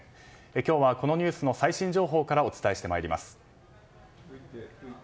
今日はこのニュースの最新情報からお伝えしてまいります。